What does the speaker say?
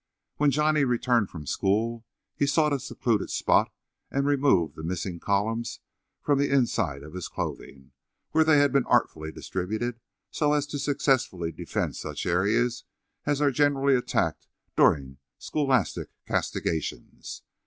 When Johnny returned from school he sought a secluded spot and removed the missing columns from the inside of his clothing, where they had been artfully distributed so as to successfully defend such areas as are generally attacked during scholastic castigations.